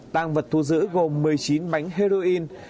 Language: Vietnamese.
tăng vật thu giữ gồm một mươi chín bánh heroin